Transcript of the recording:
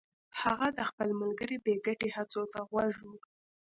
هغه د خپل ملګري بې ګټې هڅو ته غوږ و